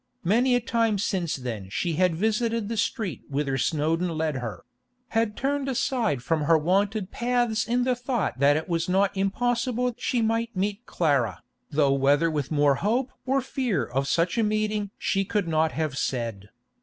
Many a time since then she had visited the street whither Snowdon led her—had turned aside from her wonted paths in the thought that it was not impossible she might meet Clara, though whether with more hope or fear of such a meeting she could not have said.